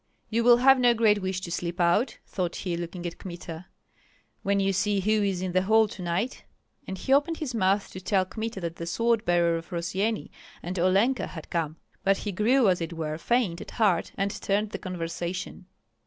"You will have no great wish to slip out," thought he, looking at Kmita, "when you see who is in the hall tonight." And he opened his mouth to tell Kmita that the sword bearer of Rossyeni and Olenka had come; but he grew as it were faint at heart, and turned the conversation.